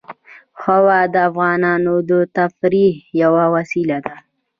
هوا د افغانانو د تفریح یوه وسیله ده.